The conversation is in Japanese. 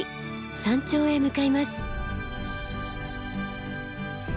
山頂へ向かいます。